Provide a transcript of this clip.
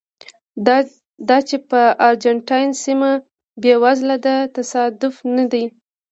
دا چې ارجنټاین سیمه بېوزله ده تصادف نه دی.